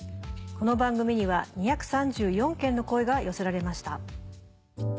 この番組には２３４件の声が寄せられました。